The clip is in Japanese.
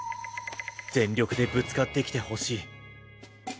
全力でぶつかってきてほしい。